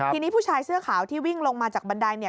ทีนี้ผู้ชายเสื้อขาวที่วิ่งลงมาจากบันไดเนี่ย